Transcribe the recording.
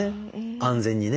安全にね。